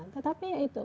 tetapi ya itu